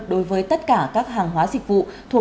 đối với tất cả các hàng hóa dịch vụ